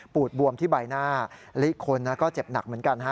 ดบวมที่ใบหน้าและอีกคนก็เจ็บหนักเหมือนกันฮะ